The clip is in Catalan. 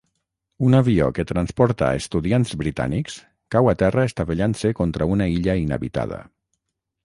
Un avió que transporta estudiants britànics, cau a terra estavellant-se contra una illa inhabitada.